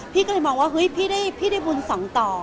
พี่ก็เลยมองว่าเฮ้ยพี่ได้บุญสองต่อ